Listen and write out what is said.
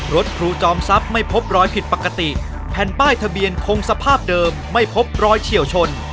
ครูจอมทรัพย์ไม่พบรอยผิดปกติแผ่นป้ายทะเบียนคงสภาพเดิมไม่พบรอยเฉียวชน